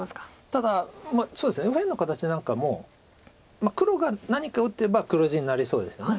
ただそうですね右辺の形なんかも黒が何か打てば黒地になりそうですよね